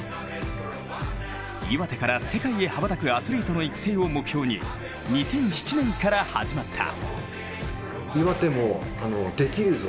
岩手から世界へ羽ばたくアスリートの育成を目標に２００７年から始まった。